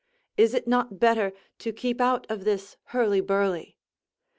Is it not better to keep out of this hurly burly?